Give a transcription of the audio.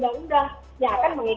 dikeluarkan secara tertib melalui